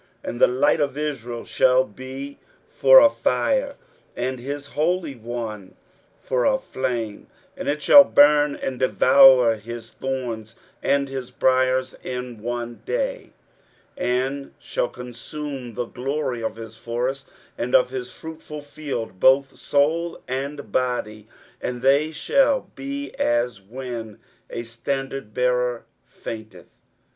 23:010:017 And the light of Israel shall be for a fire, and his Holy One for a flame: and it shall burn and devour his thorns and his briers in one day; 23:010:018 And shall consume the glory of his forest, and of his fruitful field, both soul and body: and they shall be as when a standard bearer fainteth.